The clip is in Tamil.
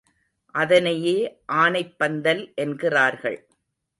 அதனையே ஆனைப்பந்தல் என்கிறார்கள்.